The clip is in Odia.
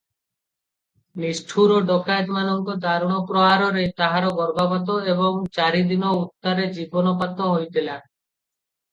ନିଷ୍ଠୁର ଡକାଏତମାନଙ୍କ ଦାରୁଣ ପ୍ରହାରରେ ତାହାର ଗର୍ଭପାତ ଏବଂ ଚାରିଦିନ ଉତ୍ତାରେ ଜୀବନପାତ ହୋଇଥିଲା ।